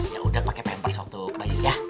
yaudah pake pampers waktu bayi ya